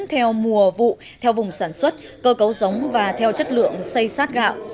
theo mùa vụ theo vùng sản xuất cơ cấu giống và theo chất lượng xây sát gạo